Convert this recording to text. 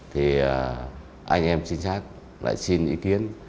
thì anh em chính xác lại xin ý kiến